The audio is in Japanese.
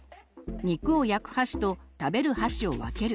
肉を焼く箸と食べる箸を分ける。